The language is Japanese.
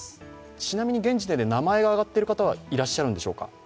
ちなみに現時点で名前が挙がってる方はいらっしゃるんでしょうか。